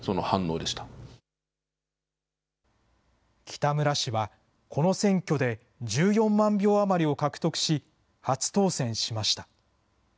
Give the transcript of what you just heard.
北村氏は、この選挙で１４万票余りを獲得し、初当選しました。